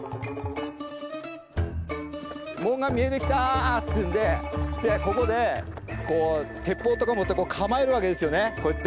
門が見えてきたっていうんでここでこう鉄砲とか持って構えるわけですよねこうやって。